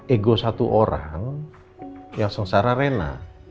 ego satu orang yang sengsara rena